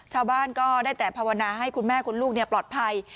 ชาวบ้านก็ได้แต่ภาวนาให้คุณแม่คุณลูกปลอดภัย